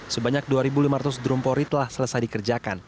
sebanyak dua lima ratus drumpori telah selesai dikerjakan